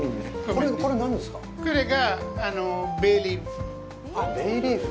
これがベイリーフ。